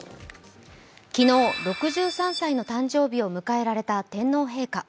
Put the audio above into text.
昨日、６３歳の誕生日を迎えられた天皇陛下。